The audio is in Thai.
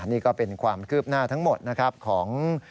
นี่ก็เป็นความคืบหน้าทั้งหมดนะครับของ